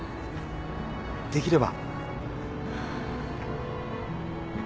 できれば。